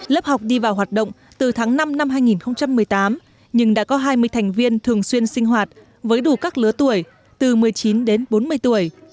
lớp học đi vào hoạt động từ tháng năm năm hai nghìn một mươi tám nhưng đã có hai mươi thành viên thường xuyên sinh hoạt với đủ các lứa tuổi từ một mươi chín đến bốn mươi tuổi